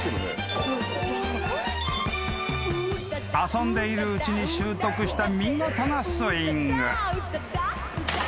［遊んでいるうちに習得した見事なスイング］